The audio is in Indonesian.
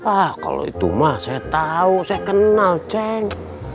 ah kalau itu mah saya tahu saya kenal ceng